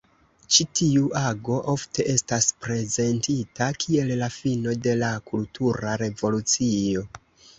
Ĉi tiu ago ofte estas prezentita kiel la fino de la Kultura Revolucio.